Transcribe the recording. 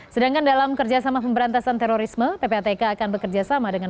sedangkan dalam kerjasama pemberantasan terorisme ppatk akan bekerjasama dengan